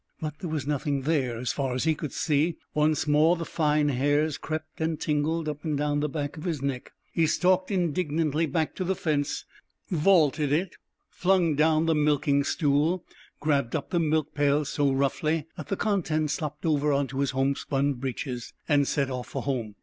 But there was nothing there, as far as he could see. Once more the fine hairs crept and tingled up and down the back of his neck. He stalked indignantly back to the fence, vaulted it, flung down the milking stool, grabbed up the milk pails so roughly that the contents slopped over on to his homespun breeches, and set off for home.